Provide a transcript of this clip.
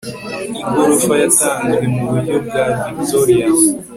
igorofa yatanzwe muburyo bwa victorian